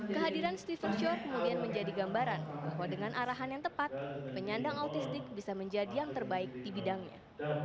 kehadiran steven short kemudian menjadi gambaran bahwa dengan arahan yang tepat penyandang autistik bisa menjadi yang terbaik di bidangnya